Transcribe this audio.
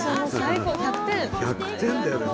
１００点だよね